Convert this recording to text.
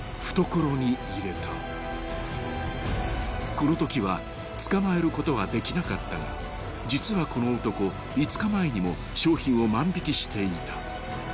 ［このときは捕まえることはできなかったが実はこの男５日前にも商品を万引していた］